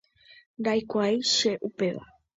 Ndaikuaái che upéva.